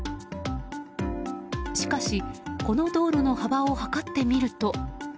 しかし、この道路の幅を測ってみると。